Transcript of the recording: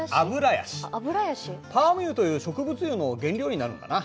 パーム油という植物油の原料になるんだな。